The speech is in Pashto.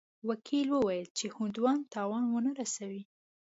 وکیل وویل چې هندوان تاوان ونه رسوي.